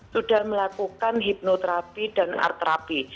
sudah melakukan hipnoterapi dan art terapi